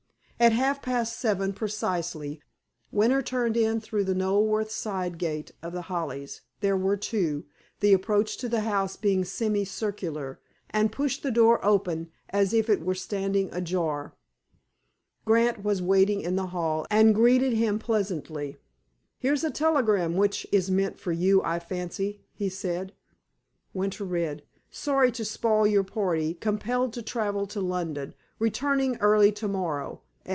At half past seven precisely, Winter turned in through the Knoleworth side gate of The Hollies (there were two, the approach to the house being semi circular) and pushed the door open, as it was standing ajar. Grant was waiting in the hall, and greeted him pleasantly. "Here's a telegram which is meant for you, I fancy," he said. Winter read: _"Sorry to spoil your party. Compelled to travel to London. Returning early to morrow.